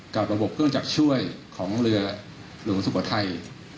กับระบบเครื่องจัดช่วยของเรือศุกษ์ไทย